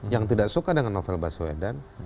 yang tidak suka dengan novel baswedan